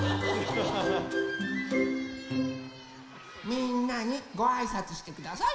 みんなにごあいさつしてください。